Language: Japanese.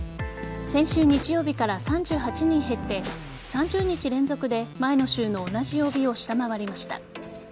先週日曜日から３８人減って３０日連続で前の週の同じ曜日を下回りました。